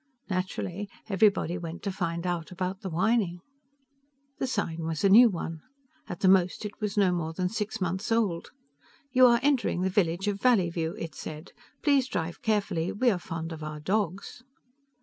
Naturally everybody went to find out about the whining. The sign was a new one. At the most it was no more than six months old. YOU ARE ENTERING THE VILLAGE OF VALLEYVIEW, it said. PLEASE DRIVE CAREFULLY WE ARE FOND OF OUR DOGS.